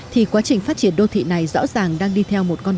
thì quá trình phát triển đô thị này rõ ràng đang đi theo một con đường